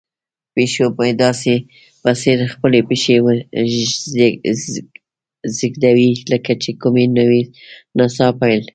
پیشو مې داسې په ځیر خپلې پښې ږدوي لکه د کومې نوې نڅا پیل.